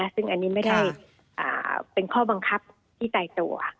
ซึ่งอันนี้ไม่ได้เป็นข้อบังคับที่ไกลตัว